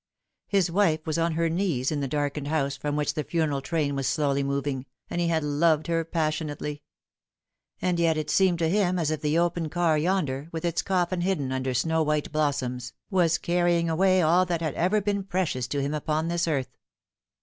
His wife was on her knees in the darkened house from which the funeral train was slowly moving, and he had loved her passionately ; and yet it seemed to him as if the open car yonder, with its coffin hidden under snow white blossoms, was carrying away all that had ever been precious to him upon this earth.